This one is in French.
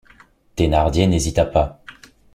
Thénardier n’hésita pas.